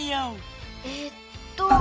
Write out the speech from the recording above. えっと。